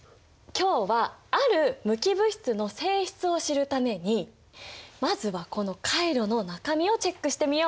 今日はある無機物質の性質を知るためにまずはこのカイロの中身をチェックしてみよう！